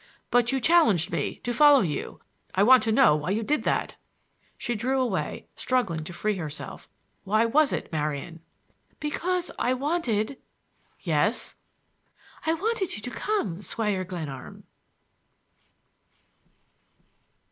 "But you challenged me,—to follow you! I want to know why you did that!" She drew away, struggling to free herself "Why was it, Marian?" "Because I wanted—" "Yes." "I wanted you to come, Squire Glenarm!"